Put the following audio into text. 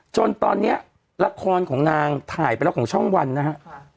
จนตอนนี้ละครของนางถ่ายไปแล้วของช่องวันนะฮะ